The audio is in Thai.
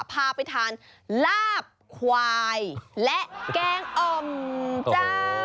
พาไปทานลาบควายและแกงอ่อมเจ้า